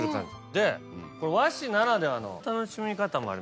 でこの和紙ならではの楽しみ方もありまして。